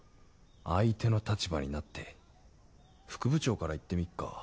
相手の立場になって副部長からいってみっか。